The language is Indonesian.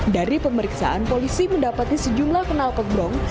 dari pemeriksaan polisi mendapati sejumlah kenalpot berong